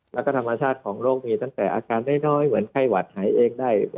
แล้วก็ธรรมชาติของโรคมีตั้งแต่อาการน้อยเหมือนไข้หวัดหายเองได้